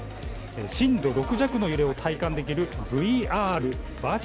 震度６弱の揺れを体感できるＶＲ。